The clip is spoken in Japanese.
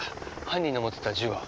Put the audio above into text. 犯人の持ってた銃は？